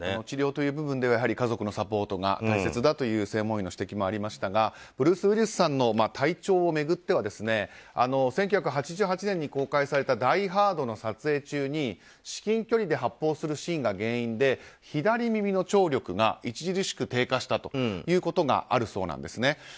治療という部分ではやはり家族のサポートが大切だという専門医の指摘もありますがブルース・ウィリスさんの体調を巡っては１９８８年に公開された「ダイ・ハード」の撮影中に至近距離で発砲するシーンが原因で左耳の聴力が著しく低下したことがあるそうです。